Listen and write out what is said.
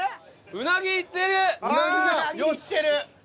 うなぎ行ってる。